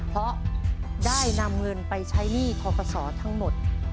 เพราะได้นำเงินไปใช้หนี้ทกศทั้งหมด